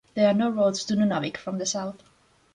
There are no roads to Nunavik from the south.